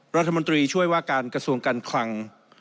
รัฐมนตรีช่วยว่าการกระทรวงการคลัง